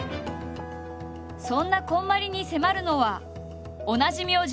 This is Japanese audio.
そんなこんまりに迫るのは同じ名字のご存じ